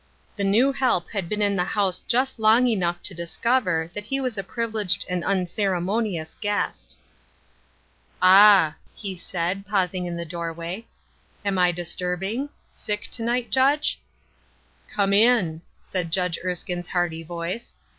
The new help had been in the house just long enough to discover that he was a privileged and uncere monious guest. 238 Ruth Ershine^s Crosses, '' Ah !" he said, pausing in the doorway " Am I disturbing? Sick to night, Judge ?"" Come in," said Judge Erskine's hearty voice.